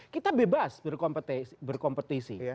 kita bebas berkompetisi